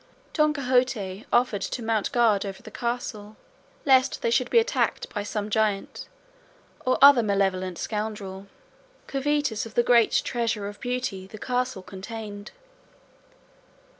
Don Quixote offered to mount guard over the castle lest they should be attacked by some giant or other malevolent scoundrel, covetous of the great treasure of beauty the castle contained.